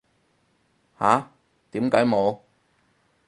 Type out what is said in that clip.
吓？點解冇